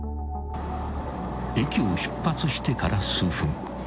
［駅を出発してから数分］